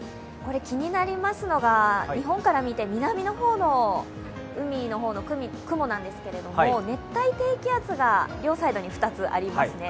気になりますのが日本から見て南の方の海の雲なんですけど熱帯低気圧が両サイドに２つありますね。